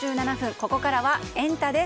ここからはエンタ！です。